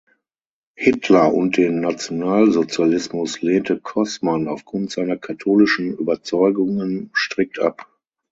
Hitler und den Nationalsozialismus lehnte Cossmann aufgrund seiner katholischen Überzeugungen strikt ab.